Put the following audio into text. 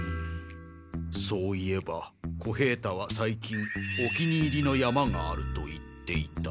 そういえば小平太は最近お気に入りの山があると言っていた。